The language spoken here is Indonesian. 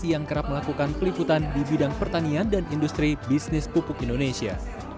yang kerap melakukan peliputan di bidang pertanian dan industri bisnis pupuk indonesia